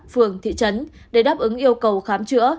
phường thị trấn để đáp ứng yêu cầu khám chữa